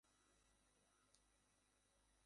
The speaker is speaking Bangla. মুহররম শব্দটি আরবি যার অর্থ পবিত্র, সম্মানিত।